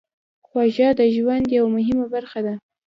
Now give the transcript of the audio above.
خوږه د ژوند یوه مهمه برخه ده.